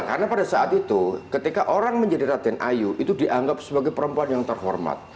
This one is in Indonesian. karena pada saat itu ketika orang menjadi raden ayu itu dianggap sebagai perempuan yang terhormat